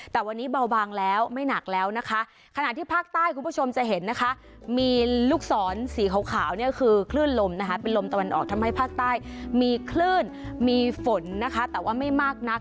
แต่วันนี้เบาบางแล้วไม่หนักแล้วนะคะขณะที่ภาคใต้คุณผู้ชมจะเห็นนะคะมีลูกศรสีขาวเนี่ยคือคลื่นลมนะคะเป็นลมตะวันออกทำให้ภาคใต้มีคลื่นมีฝนนะคะแต่ว่าไม่มากนัก